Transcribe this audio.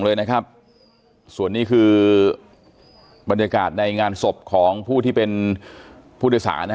เลยนะครับส่วนนี้คือบรรยากาศในงานศพของผู้ที่เป็นผู้โดยสารนะฮะ